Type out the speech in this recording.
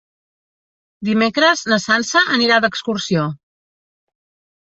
Dimecres na Sança anirà d'excursió.